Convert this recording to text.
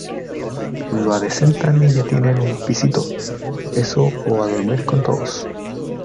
lo adecentan y ya tienen un pisito. eso o a dormir con todos.